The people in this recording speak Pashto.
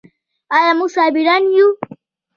آیا موږ صابران یو؟